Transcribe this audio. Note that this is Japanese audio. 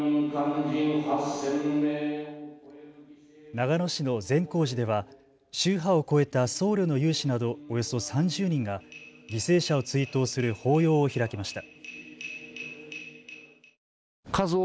長野市の善光寺では宗派を超えた僧侶の有志などおよそ３０人が犠牲者を追悼する法要を開きました。